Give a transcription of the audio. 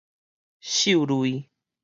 獸類